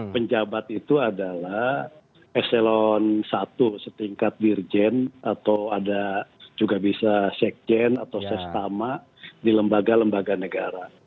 penjabat itu adalah eselon i setingkat dirjen atau ada juga bisa sekjen atau sestama di lembaga lembaga negara